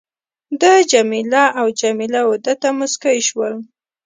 ده جميله او جميله وه ده ته مسکی شول.